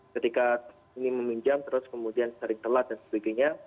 ketika ini meminjam terus kemudian sering telat dan sebagainya